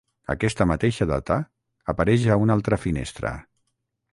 Aquesta mateixa data apareix a una altra finestra.